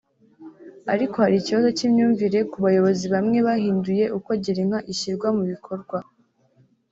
ariko hari ikibazo cy’imyumvire ku bayobozi bamwe bahinduye uko Girinka ishyirwa mubikorwa